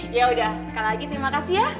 yaudah sekali lagi terima kasih ya